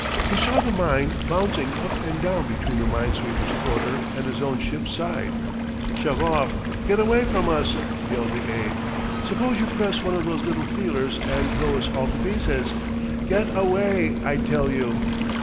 He saw the mine bouncing up and down between the mine sweeper's quarter and his own ship's side. Shove off "get away from us!" yelled the aide. "Suppose you press one of those little feelers and blow us all to pieces get away, I tell you!"